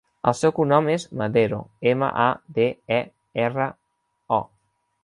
El seu cognom és Madero: ema, a, de, e, erra, o.